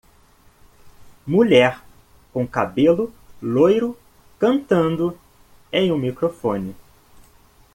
Mulher com cabelo loiro cantando em um microfone.